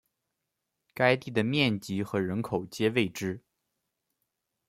该地的面积和人口皆未知。